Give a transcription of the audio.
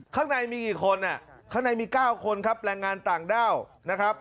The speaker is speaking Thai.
ข้างในมีกี่คนข้างในมี๙คนครับแรงงานต่างด้าวนะครับ